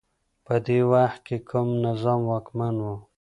په دې وخت کي کوم نظام واکمن و؟